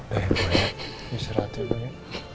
ya gue serah dulu ya